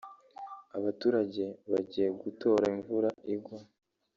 abaturage bagiye gutoraimvura igwa